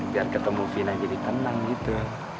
biar ketemu vina jadi tenang gitu